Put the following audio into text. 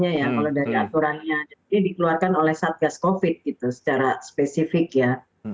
jadi dikeluarkan oleh satgas covid gitu secara spesifik ya